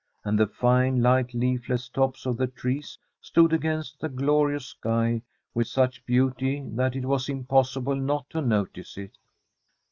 And the fine, light, leafless tops of the trees stood against the glorious sky with such beauty that it was impossible not to notice it.